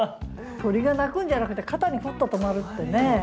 鳥が鳴くんじゃなくて肩にふっと止まるってね。